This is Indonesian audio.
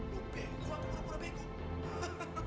lo bengkok lo benar benar bengkok